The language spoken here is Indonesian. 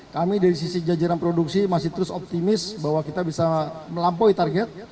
kami dari sisi jajaran produksi masih terus optimis bahwa kita bisa melampaui target